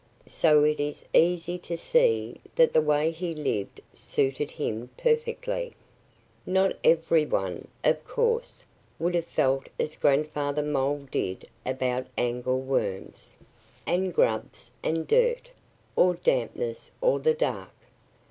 So it is easy to see that the way he lived suited him perfectly. Not every one, of course, would have felt as Grandfather Mole did about angleworms, and grubs and dirt, or dampness, or the dark.